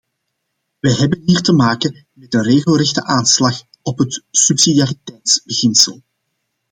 Wij hebben hier te maken met een regelrechte aanslag op het subsidiariteitsbeginsel.